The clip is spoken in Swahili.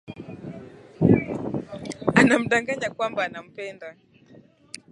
Anamdanganya kwamba anampenda